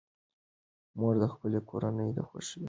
مور د خپلې کورنۍ د خوښۍ هیله لري.